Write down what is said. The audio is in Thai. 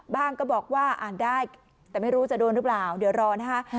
ก็บอกว่าอ่านได้แต่ไม่รู้จะโดนหรือเปล่าเดี๋ยวรอนะคะ